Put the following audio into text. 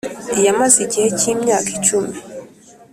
Yamaze igihe cy’imyaka icumi